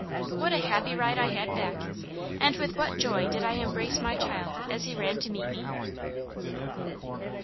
What a happy ride I had back! and with what joy did I embrace my child as he ran to meet me!"